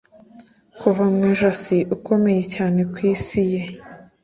Kuva mu ijosi ukomeye cyane ku isi ye